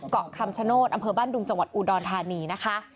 เกาะคำชโนธอำเภอบ้านดุงจังหวัดอุดรธานีนะคะ